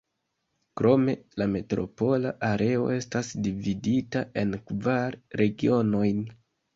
Krome, la metropola areo estas dividita en kvar regionojn.